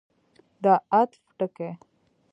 د عطف ټکی.